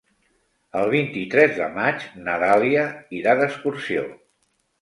El vint-i-tres de maig na Dàlia irà d'excursió.